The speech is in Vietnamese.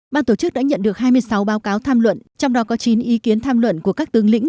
ban tổ chức đã nhận được hai mươi sáu báo cáo tham luận trong đó có chín ý kiến tham luận của các tướng lĩnh